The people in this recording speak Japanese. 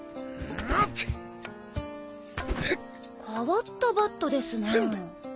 変わったバットですなァ。